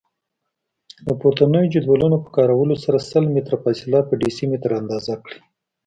له پورتنیو جدولونو په کارولو سره سل متره فاصله په ډیسي متره اندازه کړئ.